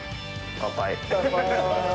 乾杯。